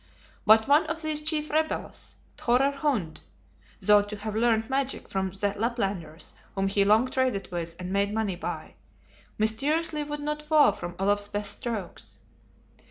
But one of these chief rebels, Thorer Hund (thought to have learnt magic from the Laplanders, whom he long traded with, and made money by), mysteriously would not fall for Olaf's best strokes.